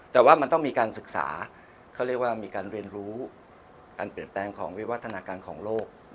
แต่ว่ามันต้องมีการศึกษาเขาเรียกว่ามีการเรียนรู้การเปลี่ยนแปลงของวิวัฒนาการของโลก